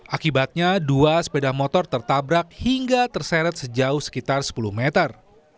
akibatnya dua sepeda motor tertabrak hingga terseret sejauh sekitar sepuluh meter